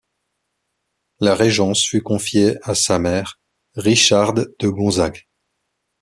La régence fut confiée à sa mère, Richarde de Gonzague.